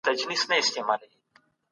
فشار د ساه اخیستلو بڼه بدلوي.